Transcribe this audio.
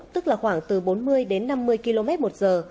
tức là khoảng từ bốn mươi đến năm mươi km một giờ